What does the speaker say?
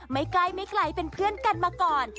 ไม่ใกล้ไม่ไกลเป็นเพื่อนกันมาก่อน